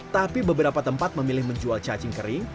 tapi beberapa tempat memilih menjual cacing kering